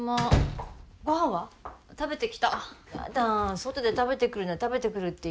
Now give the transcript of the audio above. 外で食べてくるなら食べてくるって言ってよ。